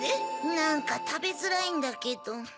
なんかたべづらいんだけど。